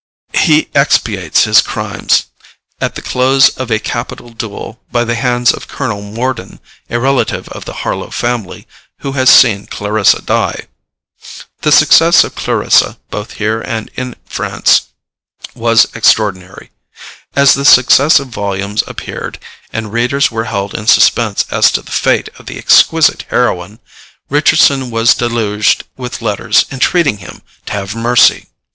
He expiates his crimes, at the close of a capital duel, by the hands of Colonel Morden, a relative of the Harlowe family, who has seen Clarissa die. The success of Clarissa, both here and in France, was extraordinary. As the successive volumes appeared, and readers were held in suspense as to the fate of the exquisite heroine, Richardson was deluged with letters entreating him to have mercy.